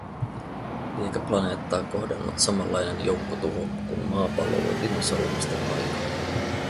Liekö planeettaa kohdannut samanlainen joukkotuho, kun maapallolla dinosaurusten aikaan.